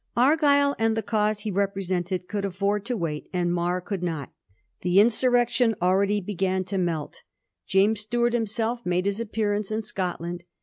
Argyll and the cause he represented could aflPord to wait, and Mar could not. The insurrection already b^an to melt. James Stuart himself made his appearance in Scotland.